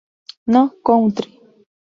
No country.